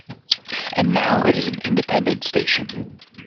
It now is an independent station.